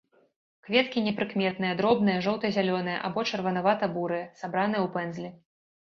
Кветкі непрыкметныя дробныя жоўта-зялёныя або чырванавата-бурыя, сабраныя ў пэндзлі.